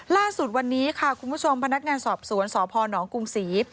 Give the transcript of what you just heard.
ล่าสุดวันนี้ค่ะคุณผู้ชมพนักงานสอบสวนสพนกรุงศรี